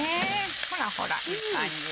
ほらほらいい感じ。